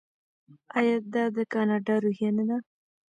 آیا دا د کاناډا روحیه نه ده؟